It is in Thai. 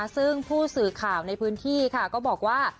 ซึ่งผู้สึกข่าวในพื้นที่บอกว่า